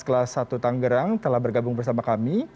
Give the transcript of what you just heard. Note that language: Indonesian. kelas satu tanggerang telah bergabung bersama kami